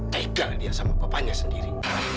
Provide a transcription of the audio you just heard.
tegal dia sama bapaknya sendiri